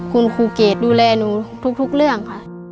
คุณครูเกดดูแลหนูทุกเรื่องค่ะ